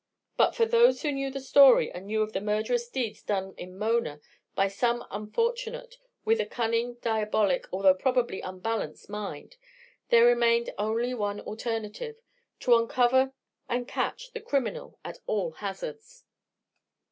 But for those who knew the story and knew of the murderous deeds done in Mona by some unfortunate with a cunning, diabolic, although probably unbalanced mind, there remained only one alternative to uncover and catch the criminal at all hazards.